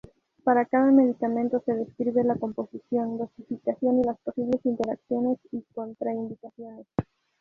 Para cada medicamento se describe la composición, dosificación y las posibles interacciones y contraindicaciones.